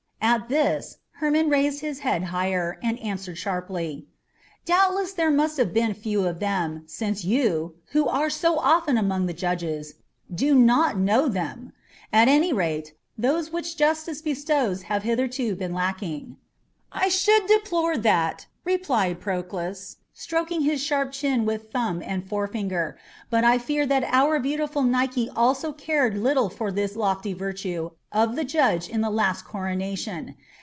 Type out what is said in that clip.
At this Hermon raised his head higher, and answered sharply: "Doubtless there must have been few of them, since you, who are so often among the judges, do not know them. At any rate, those which justice bestows have hitherto been lacking." "I should deplore that," replied Proclus, stroking his sharp chin with his thumb and forefinger; "but I fear that our beautiful Nike also cared little for this lofty virtue of the judge in the last coronation.